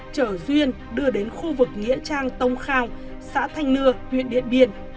trở duyên đưa đến khu vực nghĩa trang tông khao xã thanh nưa huyện điện biên